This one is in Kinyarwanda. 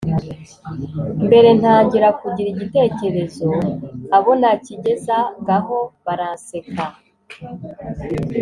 Mbere ntangira kugira igitekerezo abo nakigezagaho baransekaga